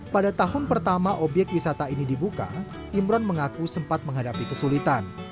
pada tahun pertama obyek wisata ini dibuka imron mengaku sempat menghadapi kesulitan